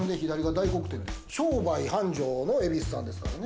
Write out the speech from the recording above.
商売繁盛の恵比寿さんですからね。